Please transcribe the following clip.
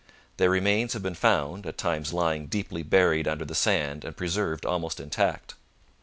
Their remains have been found, at times lying deeply buried under the sand and preserved almost intact.